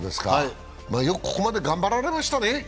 よくここまで頑張られましたね。